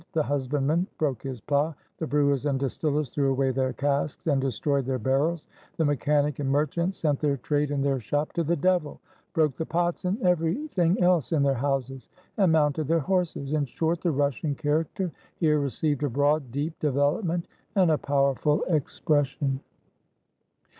The husbandman broke his plough; the brewers and distil lers threw away their casks, and destroyed their bar rels; the mechanic and merchant sent their trade and their shop to the devil, broke the pots and everything 60 LIFE AT THE SETCH else in their houses, and mounted their horses. In short, the Russian character here received a broad, deep de velopment, and a powerful expression.